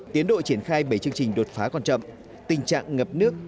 tiến đội triển khai bảy chương trình đột phá quan trọng tình trạng ngập nước